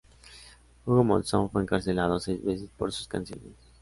Hugo Monzón fue encarcelado seis veces por sus canciones.